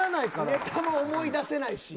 ネタも思い出せないから。